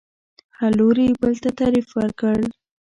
هر لوري بل ته تعریف ورکړ